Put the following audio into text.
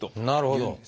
なるほど。